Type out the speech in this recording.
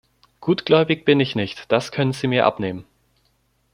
Gutgläubig bin ich nicht, das können Sie mir abnehmen.